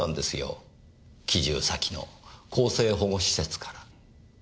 帰住先の更生保護施設から。